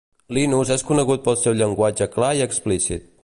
Linus és conegut pel seu llenguatge clar i explícit.